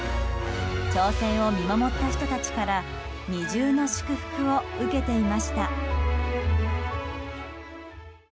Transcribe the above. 挑戦を見守った人たちから二重の祝福を受けていました。